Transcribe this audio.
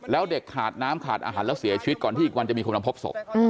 แล้วเด็กขาดน้ำขาดอาหารแล้วเสียชีวิตก่อนที่อีกวันจะมีคนมาพบศพ